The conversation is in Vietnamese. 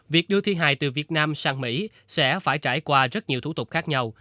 việc đưa thi hài từ việt nam sang mỹ sẽ phải trải qua rất nhiều thủ tục khác nhau